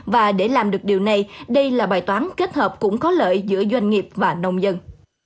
và để làm được điều này đây là bài toán kết hợp cũng có lợi giữa doanh nghiệp và nông dân